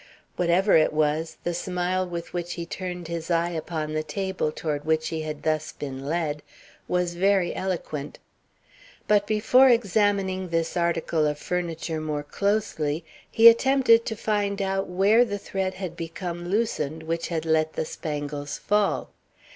Whatever it was, the smile with which he turned his eye upon the table toward which he had thus been led was very eloquent. But before examining this article of furniture more closely, he attempted to find out where the thread had become loosened which had let the spangles fall.